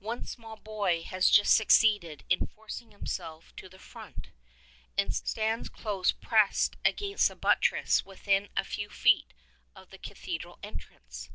One small boy has just succeeded in forcing himself to the front, and stands close pressed against a buttress within a few feet of the cathedral entrance.